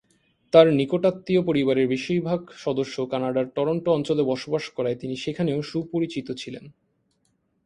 তার নিকটাত্মীয় পরিবারের বেশিরভাগ সদস্য কানাডার টরন্টো অঞ্চলে বসবাস করায় তিনি সেখানেও সুপরিচিত ছিলেন।